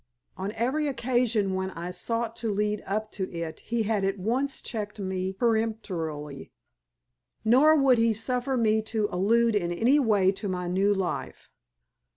On every occasion when I sought to lead up to it he had at once checked me peremptorily. Nor would he suffer me to allude in any way to my new life.